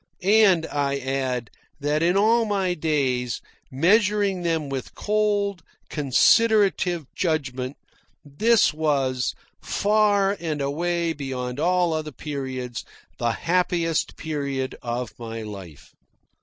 And I add, that in all my days, measuring them with cold, considerative judgment, this was, far and away beyond all other periods, the happiest period of my life.